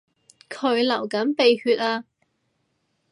佢流緊鼻血呀